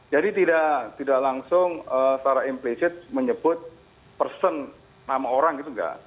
jadi tidak langsung secara implicit menyebut person nama orang gitu enggak